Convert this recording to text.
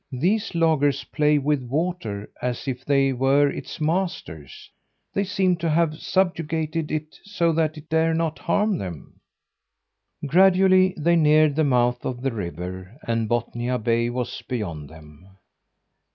"These loggers play with water as if they were its masters. They seem to have subjugated it so that it dare not harm them." Gradually they neared the mouth of the river, and Bothnia Bay was beyond them.